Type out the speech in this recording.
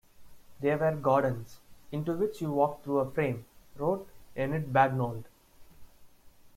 They were gardens into which you walked through a frame," wrote Enid Bagnold.